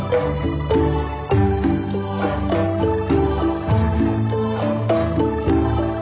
ที่สุดท้ายที่สุดท้ายที่สุดท้าย